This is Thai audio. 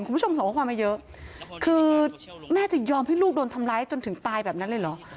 คุณผู้ชมส่งข้อความมาเยอะคือแม่จะยอมให้ลูกโดนทำร้ายจนถึงตายแบบนั้นเลยเหรอ